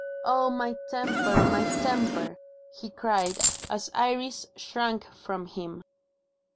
"Oh, my temper, my temper!" he cried, as Iris shrank from him.